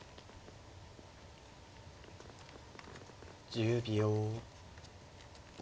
１０秒。